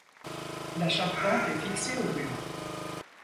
La charpente est fixée au mur